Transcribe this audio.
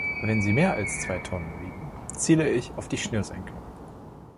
Wenn sie mehr als zwei Tonnen wiegen, ziele ich auf die Schnürsenkel.